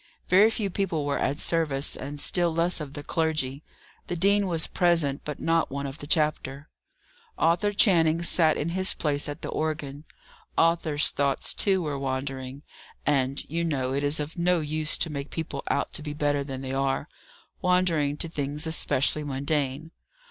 Very few people were at service, and still less of the clergy; the dean was present, but not one of the chapter. Arthur Channing sat in his place at the organ. Arthur's thoughts, too, were wandering; and you know it is of no use to make people out to be better than they are wandering to things especially mundane.